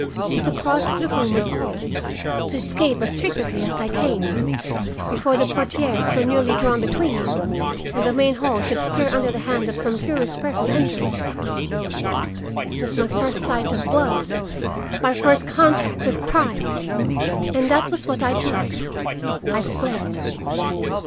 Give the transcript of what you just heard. To cross the room was all; to escape as secretly as I came, before the portiere so nearly drawn between me and the main hall should stir under the hand of some curious person entering. It was my first sight of blood; my first contact with crime, and that was what I did,—I fled."